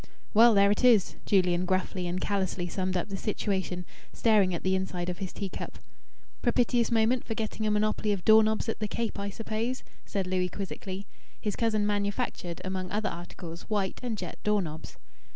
"Well, there it is!" Julian gruffly and callously summed up the situation, staring at the inside of his teacup. "Propitious moment for getting a monopoly of door knobs at the Cape, I suppose?" said Louis quizzically. His cousin manufactured, among other articles, white and jet door knobs.